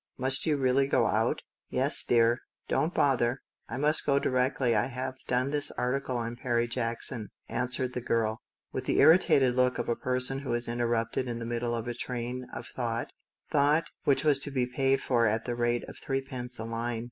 " Must you really go out ?" "Yes, dear. Don't bother. I must go directly I have done this article for IWustrar tion8 9 " answered the girl, with the irritated look of a person who is interrupted in the middle of a train of thought — thought which was to be paid for at the rate of threepence a line.